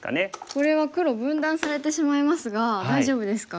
これは黒分断されてしまいますが大丈夫ですか？